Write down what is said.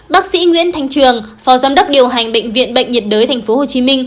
bác sĩ nguyễn thanh trường phó giám đốc điều hành bệnh viện bệnh nhiệt đới tp hcm